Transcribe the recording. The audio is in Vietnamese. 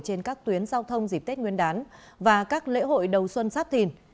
trên các tuyến giao thông dịp tết nguyên đán và các lễ hội đầu xuân sắp thìn